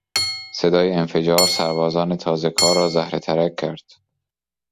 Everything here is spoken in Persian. صدای انفجار سربازان تازهکار را زهره ترک کرد.